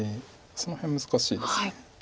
その辺難しいです。